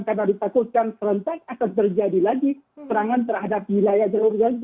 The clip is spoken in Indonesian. karena ditakutkan serentak akan terjadi lagi serangan terhadap wilayah jalur jaring fani